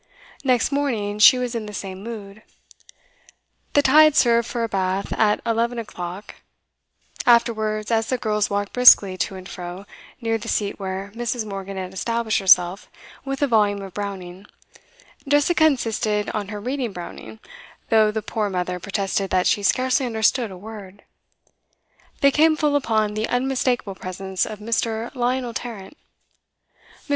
Next morning she was in the same mood. The tide served for a bathe at eleven o'clock; afterwards, as the girls walked briskly to and fro near the seat where Mrs. Morgan had established herself with a volume of Browning, Jessica insisted on her reading Browning, though the poor mother protested that she scarcely understood a word, they came full upon the unmistakable presence of Mr. Lionel Tarrant. Miss.